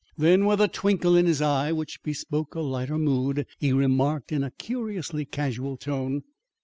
Then, with a twinkle in his eye which bespoke a lighter mood, he remarked in a curiously casual tone.